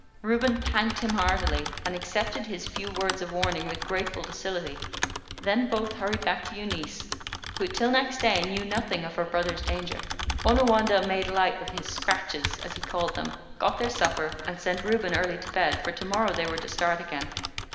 Reuben thanked him heartily, and accepted his few words of warning with grateful docility; then both hurried back to Eunice, who till next day knew nothing of her brother's danger. Onawandah made light of his scratches, as he called them, got their supper, and sent Reuben early to bed, for to morrow they were to start again.